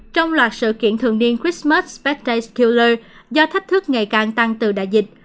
trong loạt sự kiện thường niên christmas spectacular do thách thức ngày càng tăng từ đại dịch